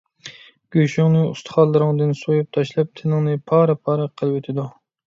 گۆشۈڭنى ئۇستىخانلىرىڭدىن سويۇپ تاشلاپ، تېنىڭنى پارە - پارە قىلىۋېتىدۇ.